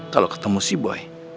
kalo ketemu si boy